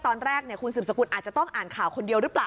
ตอนแรกคุณสืบสกุลอาจจะต้องอ่านข่าวคนเดียวหรือเปล่า